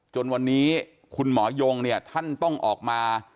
จนวันนี้คุณหมอยงต้องออกมา